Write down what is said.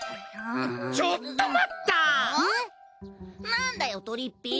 なんだよとりっぴい！